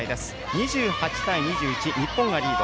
２８対２１、日本がリード。